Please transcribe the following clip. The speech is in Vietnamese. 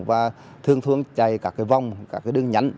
và thường thường chạy các vòng các đường nhánh